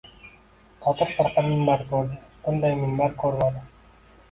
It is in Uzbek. Botir firqa minbar ko‘rdi — bunday minbar ko‘rmadi.